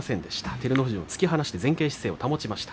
照ノ富士は突き放して前傾姿勢を保ちました。